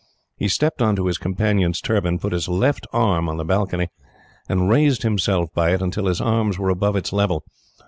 He stepped on to his companion's turban, put his left arm on the balcony, and raised himself by it, until his arms were above its level.